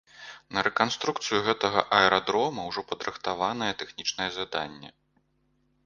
На рэканструкцыю гэтага аэрадрома ўжо падрыхтаванае тэхнічнае заданне.